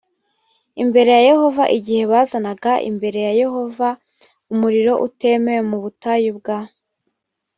imbere ya yehova igihe bazanaga imbere ya yehova umuriro utemewe mu butayu bwa